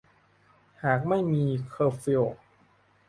หากไม่มี เคอร์ฟิว